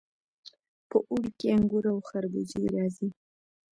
په اوړي کې انګور او خربوزې راځي.